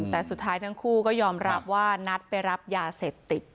แต่สุดท้ายทั้งคู่ก็ยอมรับว่านัดไปรับยาเสพติด